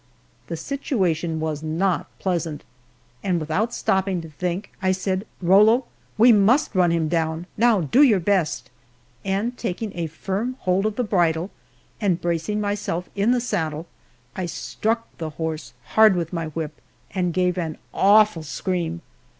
The situation was not pleasant, and without stopping to think, I said, "Rollo, we must run him down now do your best!" and taking a firm hold of the bridle, and bracing myself in the saddle, I struck the horse hard with my whip and gave an awful scream.